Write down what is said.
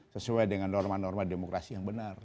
sesuai dengan norma norma demokrasi yang benar